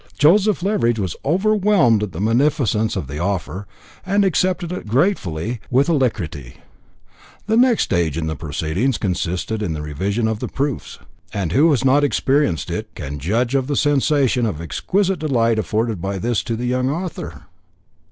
Joseph Leveridge was overwhelmed at the munificence of the offer, and accepted it gratefully and with alacrity. The next stage in the proceedings consisted in the revision of the proofs. And who that has not experienced it can judge of the sensation of exquisite delight afforded by this to the young author?